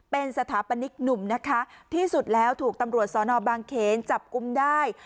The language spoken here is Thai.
เป็นสถาปนิกหนุ่มนะคะที่สุดแล้วถูกตำรวจสอนอบางเขนจับกุมได้